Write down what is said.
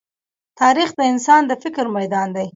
تاریخ د انسان د فکر ميدان دی.